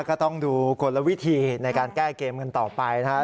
ก็ต้องดูกลวิธีในการแก้เกมกันต่อไปนะครับ